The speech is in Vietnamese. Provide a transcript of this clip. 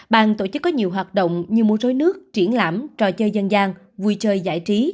bàn tổ chức có nhiều hoạt động như múa rối nước triển lãm trò chơi dân gian vui chơi giải trí